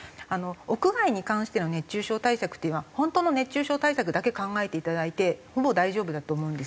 屋外に関しての熱中症対策っていうのは本当の熱中症対策だけ考えていただいてほぼ大丈夫だと思うんです。